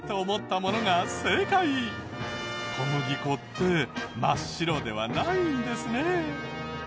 小麦粉って真っ白ではないんですね。